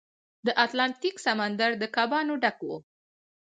د اتلانتیک سمندر د کبانو ډک و.